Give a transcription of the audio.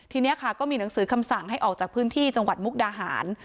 ทีนี้ค่ะก็มีหนังสือคำสั่งให้ออกจากพื้นที่จังหวัดมุกดาหาร